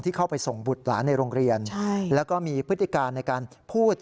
เข้าไปส่งบุตรหลานในโรงเรียนแล้วก็มีพฤติการในการพูด